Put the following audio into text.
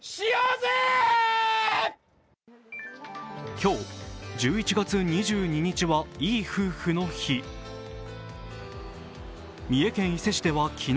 今日１１月２２日は、いい夫婦の日。